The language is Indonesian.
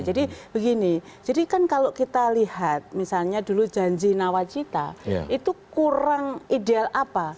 jadi begini jadi kan kalau kita lihat misalnya dulu janji nawacita itu kurang ideal apa